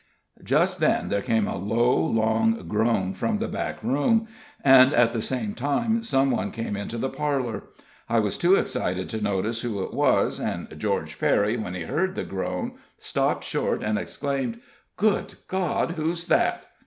Just then there came a low, long groan from the backroom, and at the same time some one came into the parlor. I was too excited to notice who it was; and George Perry, when he heard the groan, stopped short and exclaimed: "Good God! who's that?"